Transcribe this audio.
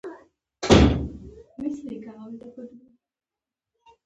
مونږ کار کوو